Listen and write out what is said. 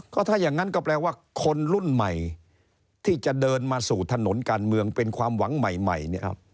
ก็ถ้าอย่างนั้นก็แปลว่าคนรุ่นใหม่ที่จะเดินมาสู่ถนนการเมืองเป็นความหวังใหม่เนี่ย